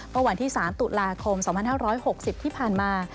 เมื่อวันที่๓ตุลาคม๒๕๖๐ที่ผ่านมา